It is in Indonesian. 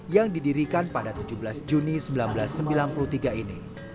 yang didirikan pada tujuh belas juni seribu sembilan ratus sembilan puluh tiga ini